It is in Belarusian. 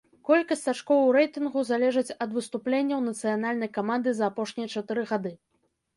Колькасць ачкоў у рэйтынгу залежыць ад выступленняў нацыянальнай каманды за апошнія чатыры гады.